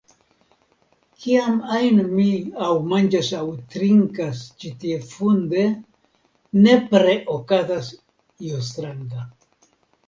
Kiam ajn mi aŭ manĝas aŭ trinkas ĉi tie funde, nepre okazas io stranga.